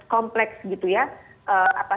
kompleks gitu ya